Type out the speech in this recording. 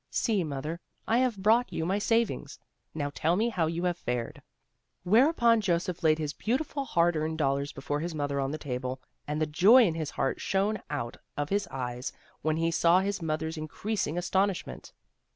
See, Mother, I have brought you my savings. Now tell me how you have fared." Whereupon Joseph laid his beautiful hard earned dollars before his mother on the table, and the joy in his heart shone out of his eyes, when he saw his mother's increasing astonishment.